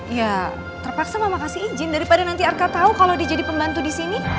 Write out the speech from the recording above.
ya terpaksa mama kasih izin daripada nanti arka tau kalo dia jadi pembantu disini